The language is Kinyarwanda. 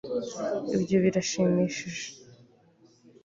ibyo birashimishije